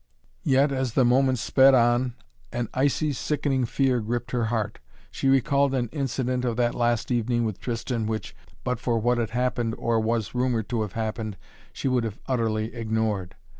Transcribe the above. Yet as the moments sped on, an icy, sickening fear gripped her heart. She recalled an incident of that last evening with Tristan which, but for what had happened or was rumored to have happened, she would have utterly ignored.